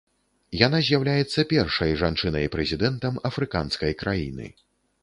Яна з'яўляецца першай жанчынай-прэзідэнтам афрыканскай краіны.